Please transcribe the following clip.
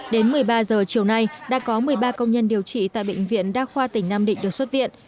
đến một mươi ba giờ chiều nay đã có một mươi ba công nhân điều trị tại bệnh viện đa khoa tỉnh nam định được xuất viện